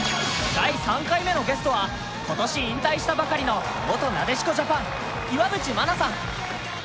第３回目のゲストは今年引退したばかりの元なでしこジャパン・岩渕真奈さん。